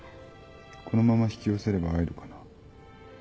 このまま引き寄せれば会えるかな？